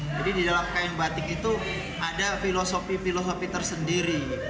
jadi di dalam kain batik itu ada filosofi filosofi tersendiri